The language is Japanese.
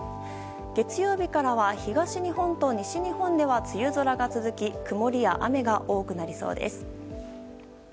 月曜日からは東日本と西日本で梅雨空が続き曇りや雨が多くなりそうです。